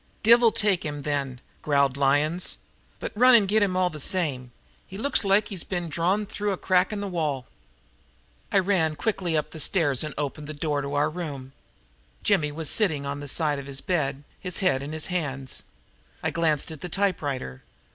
"Divil take him, then," growled Lyons, "but run and get him all the same. He looks loike he'd been drawn through a crack in the wall." I ran quickly up the stairs and opened the door of our room. Jimmy was sitting on the side of his bed, his head in his hands. I glanced at the typewriter.